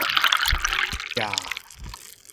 อย่า